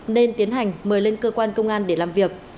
nên tiến hành mời lên cơ quan công an để làm việc